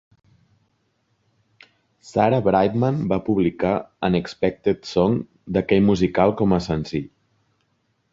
Sarah Brightman va publicar "Unexpected Song", d'aquell musical, com a senzill.